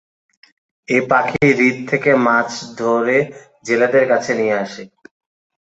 এ পাখি হ্রদ থেকে মাছ ধরে জেলেদের কাছে নিয়ে আসে।